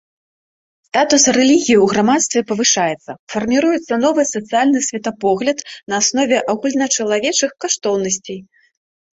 Статус рэлігіі ў грамадстве павышаецца, фарміруецца новы сацыяльны светапогляд на аснове агульначалавечых каштоўнасцей.